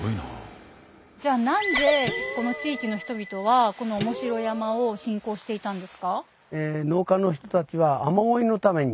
じゃあ何でこの地域の人々はこの面白山を信仰していたんですか？